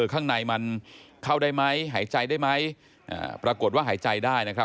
ข้างในมันเข้าได้ไหมหายใจได้ไหมปรากฏว่าหายใจได้นะครับ